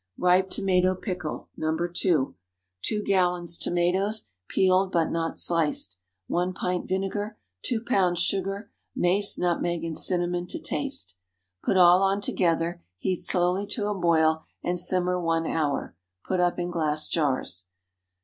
RIPE TOMATO PICKLE. (No. 2.) 2 gallons tomatoes, peeled, but not sliced. 1 pint vinegar. 2 lbs. sugar. Mace, nutmeg, and cinnamon to taste. Put all on together, heat slowly to a boil, and simmer one hour. Put up in glass jars.